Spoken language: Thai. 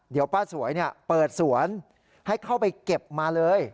เดี๋ยวป้าสวยเปิดสวนให้เข้าไปเก็บมาเลย